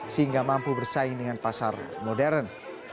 sehingga mampu bersaing dengan pasar modern